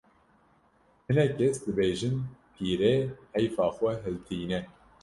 hinek kes dibêjin pîrê heyfa xwe hiltîne